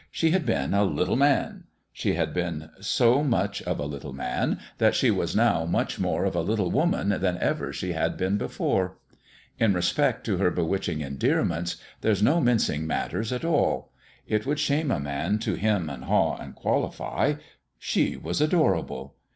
She had been " a little man." She had been so much of a little man that she was now much more of a little woman than ever she had been before. In respect to her bewitching endearments, there's no mincing matters, at all. It would shame a man to 'hem and haw and qualify. She was adorable.